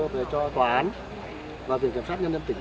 về cho tòa án và viện kiểm sát nhân dân tỉnh